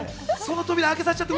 その扉、開けさせちゃって。